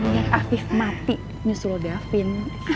nih alvif mati nyusul davin